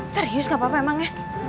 serius gak apa apa emangnya